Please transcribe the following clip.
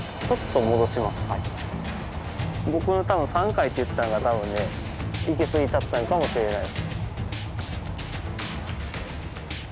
僕が多分３回って言ったんが多分ね行きすぎちゃったのかもしれない。